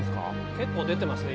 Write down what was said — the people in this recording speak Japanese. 結構出てますね。